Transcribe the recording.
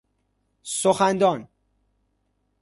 سخن دان